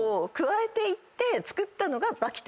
え！